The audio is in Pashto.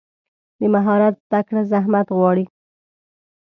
د مهارت زده کړه زحمت غواړي.